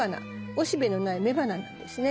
おしべのない雌花なんですね。